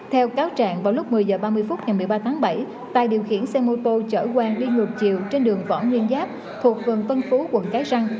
theo cáo trạng vào lúc một mươi h ba mươi phút ngày một mươi ba tháng bảy tài điều khiển xe mô tô chở quang đi ngược chiều trên đường võ nguyên giáp thuộc phường tân phú quận cái răng